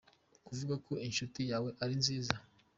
Kuvuga ko inshuti yawe ari nziza.